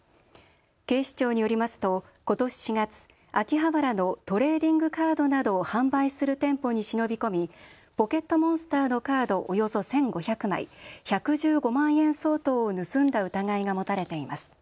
警視庁によりますとことし４月、秋葉原のトレーディングカードなどを販売する店舗に忍び込みポケットモンスターのカードおよそ１５００枚、１１５万円相当を盗んだ疑いが持たれています。